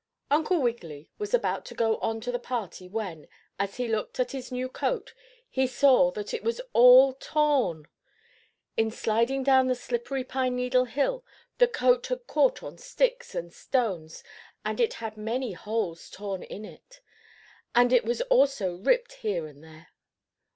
Uncle Wiggily was about to go on to the party when, as he looked at his new coat he saw that it was all torn. In sliding down the slippery pine needle hill the coat had caught on sticks and stones and it had many holes torn in it, and it was also ripped here and there.